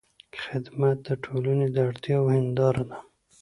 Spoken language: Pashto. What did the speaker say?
خدمت د ټولنې د اړتیاوو هنداره ده.